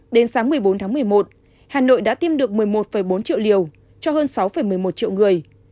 đến sáng một mươi bốn tháng một mươi một hà nội đã tiêm được một mươi một bốn triệu liều cho hơn sáu một mươi một triệu người